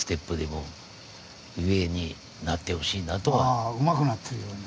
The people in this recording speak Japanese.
ああうまくなってるように。